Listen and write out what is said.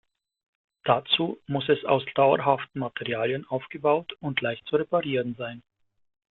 Dazu muss es aus dauerhaften Materialien aufgebaut und leicht zu reparieren sein.